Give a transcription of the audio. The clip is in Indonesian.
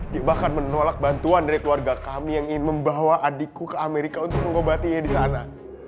dia bahkan menolak bantuan dari keluarga kami yang ingin membawa adikku ke amerika untuk mengobatinya di sana